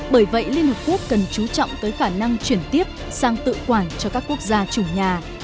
bởi vậy liên hợp quốc cần chú trọng tới khả năng chuyển tiếp sang tự quản cho các quốc gia chủ nhà